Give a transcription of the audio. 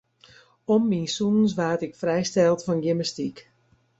Om myn sûnens waard ik frijsteld fan gymnastyk.